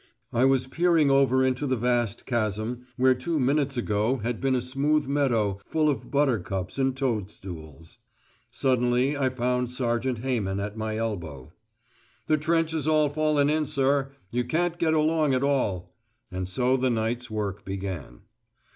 I was peering over into a vast chasm, where two minutes ago had been a smooth meadow full of buttercups and toadstools. Suddenly I found Sergeant Hayman at my elbow. "The trench is all fallen in, sir. You can't get along at all." And so the night's work began.